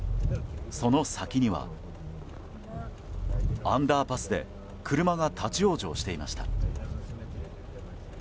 その先には、アンダーパスで車が立ち往生していました。